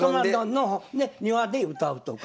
の庭で歌うとか。